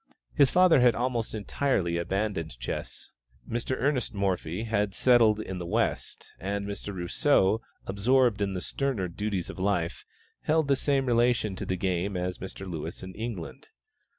His father had almost entirely abandoned chess; Mr. Ernest Morphy had settled in "the West," and Mr. Rousseau, absorbed in the sterner duties of life, held the same relation to the game as Mr. Lewis in England.